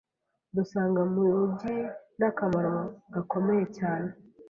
dusanga mu igi n’akamaro gakomeye cyane